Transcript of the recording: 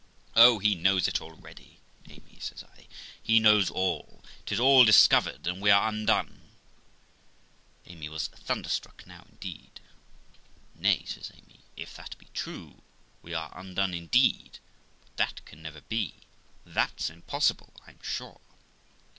'Oh, he knows it already, Amy', says I; 'he knows all! 'Tis all discovered, and we are undone!' Amy was thunderstruck now indeed. 'Nay', says Amy, 'if that be true, we are undone indeed; but that can never be; that's impossible, I'm sure.'